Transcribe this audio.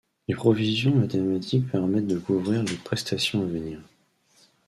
Les provisions mathématiques permettent de couvrir les prestations à venir.